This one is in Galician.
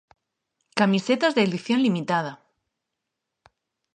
Camisetas de edición limitada.